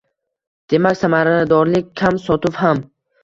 Demak, samaradorlik kam, sotuv ham.